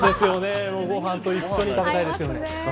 ご飯と一緒に食べたいですよね。